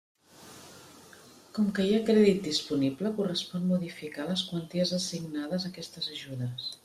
Com que hi ha crèdit disponible correspon modificar les quanties assignades a aquestes ajudes.